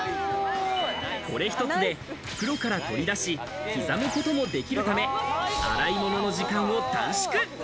これ１つで、袋から取り出し、刻むこともできるため、洗い物の時間を短縮。